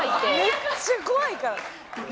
「めっちゃ怖いから」